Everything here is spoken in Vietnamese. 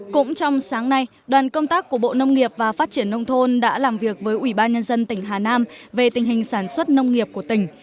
cũng trong sáng nay đoàn công tác của bộ nông nghiệp và phát triển nông thôn đã làm việc với ủy ban nhân dân tỉnh hà nam về tình hình sản xuất nông nghiệp của tỉnh